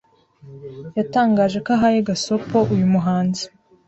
yatangaje ko ahaye gasopo uyu muhanzi